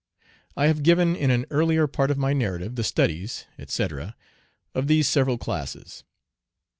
I have given in an earlier part of my narrative the studies, etc., of these several classes.